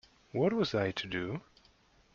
What was I to do?